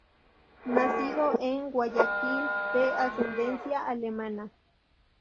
Nacido en Guayaquil, de ascendencia alemana.